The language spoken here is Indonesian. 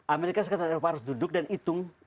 amerika serikat dan eropa harus duduk dan hitung